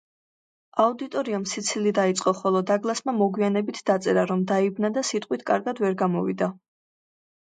აუდიტორიამ სიცილი დაიწყო, ხოლო დაგლასმა მოგვიანებით დაწერა, რომ დაიბნა და სიტყვით კარგად ვერ გამოვიდა.